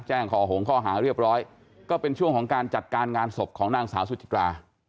ขอหงข้อหาเรียบร้อยก็เป็นช่วงของการจัดการงานศพของนางสาวสุจิตรา